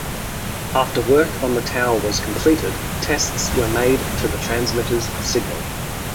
After work on the tower was completed, tests were made to the transmitter's signal.